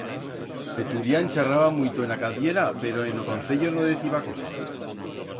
Veturián charraba muito en a cadiera, pero en o concello no diciba cosa.